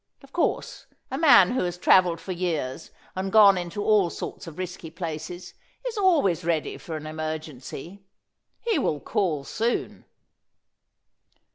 Of course, a man who has travelled for years, and gone into all sorts of risky places, is always ready for an emergency. He will call soon."